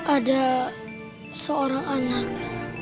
ada seorang anak